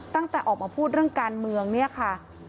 ตั้งแต่ออกมาพูดเรื่องการเมืองเนี่ยค่ะ